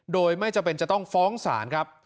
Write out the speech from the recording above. โดยไม่จำเป็นจะต้องฟ้องศาลครับ